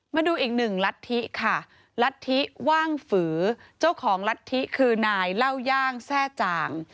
มาดูอีกหนึ่งลัทธิค่ะรัฐธิว่างฝือเจ้าของลัทธิคือนายเล่าย่างแทร่จ่าง